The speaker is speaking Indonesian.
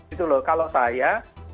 itu loh kalau saya